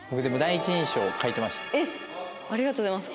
えっありがとうございます。